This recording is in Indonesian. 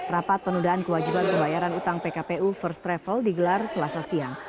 rapat penundaan kewajiban pembayaran utang pkpu first travel digelar selasa siang